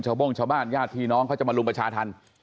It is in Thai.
โบ้งชาวบ้านญาติพี่น้องเขาจะมารุมประชาธรรม